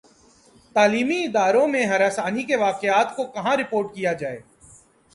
تعلیمی اداروں میں ہراسانی کے واقعات کو کہاں رپورٹ کیا جائے